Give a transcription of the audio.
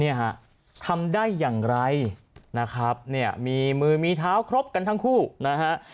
เนี่ยฮะทำได้อย่างไรนะครับเนี่ยมีมือมีเท้าครบกันทั้งคู่นะฮะ